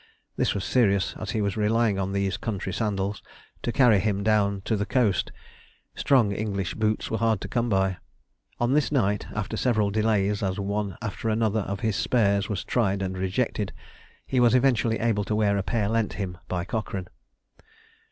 This was serious, as he was relying on these country sandals to carry him down to the coast; strong English boots were hard to come by. On this night, after several delays as one after another of his spares was tried and rejected, he was eventually able to wear a pair lent him by Cochrane.